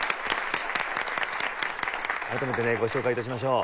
改めてねご紹介致しましょう。